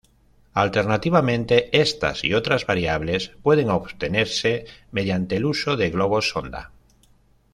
Alternativamente, estas y otras variables pueden obtenerse mediante el uso de globos sonda.